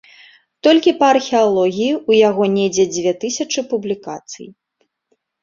Толькі па археалогіі у яго недзе дзве тысячы публікацый.